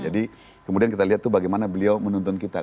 kemudian kita lihat tuh bagaimana beliau menuntun kita